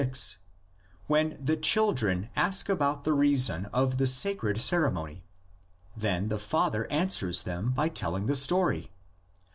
6: when the children ask about the reason of the sacred ceremony then the father answers them by telling the story.